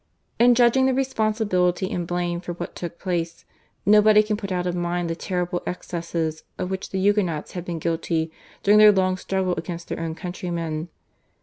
In judging the responsibility and blame for what took place nobody can put out of mind the terrible excesses, of which the Huguenots had been guilty during their long struggle against their own countrymen.